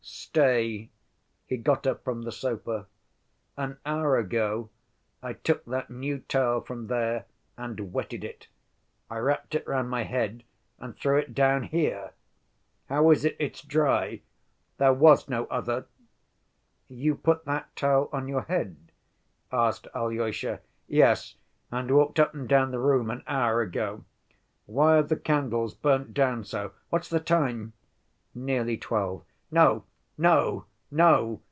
"Stay"—he got up from the sofa—"an hour ago I took that new towel from there and wetted it. I wrapped it round my head and threw it down here ... How is it it's dry? There was no other." "You put that towel on your head?" asked Alyosha. "Yes, and walked up and down the room an hour ago ... Why have the candles burnt down so? What's the time?" "Nearly twelve." "No, no, no!"